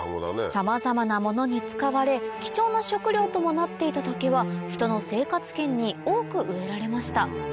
さまざまなものに使われ貴重な食料ともなっていた竹は人の生活圏に多く植えられました